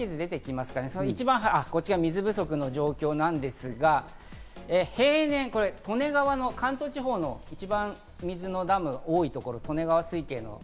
水不足の状況なんですが、平年、利根川、関東地方の水のダムの多いところ、利根川水系。